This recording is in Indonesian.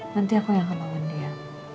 nanti aku yang akan lawan dia